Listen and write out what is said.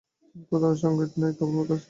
কোথাও সংগীত নেই, কেবলমাত্রই জ্বলা!